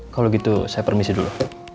kalau gitu saya permisi dulu